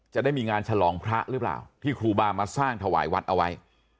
จะได้มีงานฉลองพระหรือเปล่าที่ครูบามาสร้างถวายวัดเอาไว้